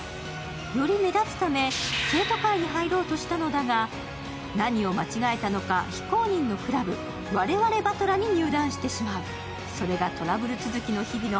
より目立つため生徒会に入ろうとしたのだが、何を間違えたか、非公認のクラブ、我々師団にあれ？